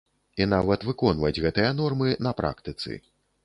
І нават выконваць гэтыя нормы на практыцы.